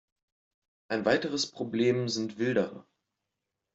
Ein weiteres Problem sind Wilderer.